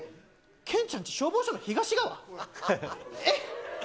けんちゃんち、消防署の東側？えっ？